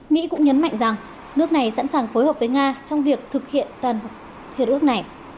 mỹ cũng nhấn mạnh rằng nước này sẵn sàng phối hợp với nga trong việc thực hiện toàn hiệp ước này